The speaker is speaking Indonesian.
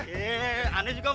kamu kan masih kecil